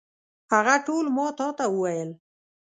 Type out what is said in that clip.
هغه ټول ما تا ته وویل.